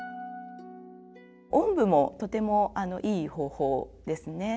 おんぶもとてもいい方法ですね。